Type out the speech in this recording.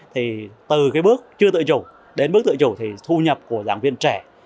thì từ cái bước chưa tự chủ đến bước tự chủ thì thu nhập của giảng viên trẻ